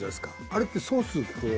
あれってソースをこう。